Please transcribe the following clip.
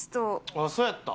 あっそうやった？